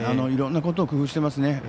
いろんなことを工夫していますね。